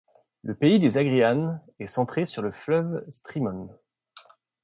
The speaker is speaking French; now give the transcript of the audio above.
Le pays des Agrianes est centré sur le fleuve Strymon.